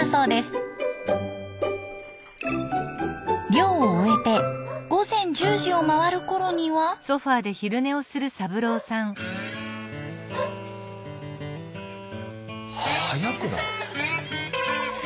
漁を終えて午前１０時を回るころには。早くない？